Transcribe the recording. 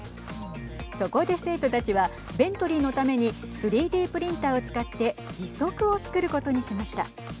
そこで生徒たちはベントリーのために３Ｄプリンターを使って義足を作ることにしました。